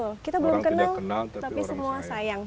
orang tidak kenal tapi semua sayang